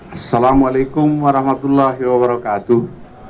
assalamualaikum warahmatullahi wabarakatuh